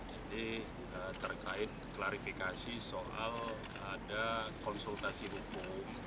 jadi terkait klarifikasi soal ada konsultasi hukum